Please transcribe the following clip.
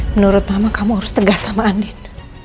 menurut mama kamu harus tegas sama andin